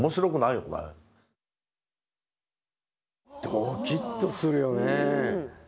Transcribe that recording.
ドキッとするよね。